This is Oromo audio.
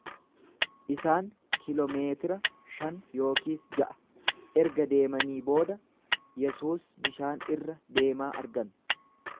Isaan kilomeetira shan yookiis ja’a erga deemanii booda, Yesuus bishaan irra deemaa argan.